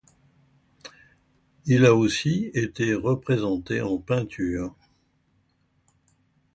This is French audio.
Il a aussi été représenté en peinture.